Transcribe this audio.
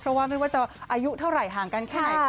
เพราะว่าไม่ว่าจะอายุเท่าไหร่ห่างกันแค่ไหน